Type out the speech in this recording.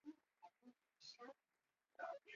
时万历辛己岁正月十九日也。